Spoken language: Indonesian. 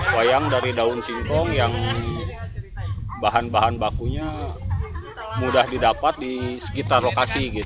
wayang dari daun singkong yang bahan bahan bakunya mudah didapat di sekitar lokasi